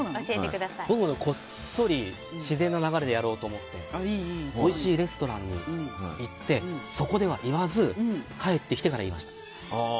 僕もこっそり自然な流れでやろうと思っておいしいレストランに行ってそこでは言わず帰ってきてから言いました。